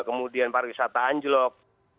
kemudian pariwisata anjlok